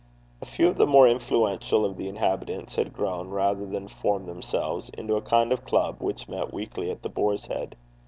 A few of the more influential of the inhabitants had grown, rather than formed themselves, into a kind of club, which met weekly at The Boar's Head.